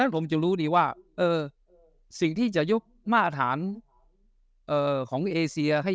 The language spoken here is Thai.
ผมจะรู้ดีว่าสิ่งที่จะยกมาตรฐานของเอเซียให้